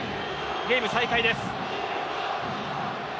ゲーム再開です。